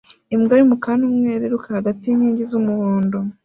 Imbwa y'umukara n'umweru iriruka hagati yinkingi z'umuhondo